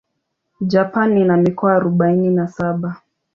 Japan ina mikoa arubaini na saba.